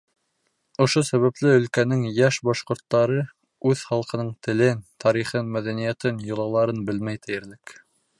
Ошо сәбәпле өлкәнең йәш башҡорттары үҙ халҡының телен, тарихын, мәҙәниәтен, йолаларын белмәй тиерлек.